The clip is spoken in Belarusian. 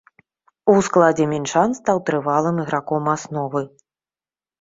У складзе мінчан стаў трывалым іграком асновы.